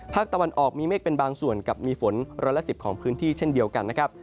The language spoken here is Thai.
ตะวันออกมีเมฆเป็นบางส่วนกับมีฝนร้อยละ๑๐ของพื้นที่เช่นเดียวกันนะครับ